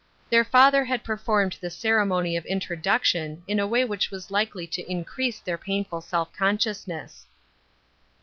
Their father had per formed the ceremony of introduction in a way which was likely to increase their painful self consciousness.